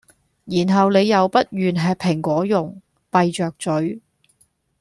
然後你又不願吃蘋果茸，閉著咀